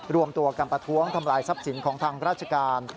รวมตัวกันประท้วงทำลายทรัพย์สินของทางราชการ